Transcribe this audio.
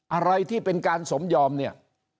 อะไรที่เป็นการสมยอมเนี่ย